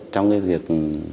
trong cái việc